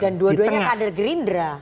dan dua duanya kadar gerindra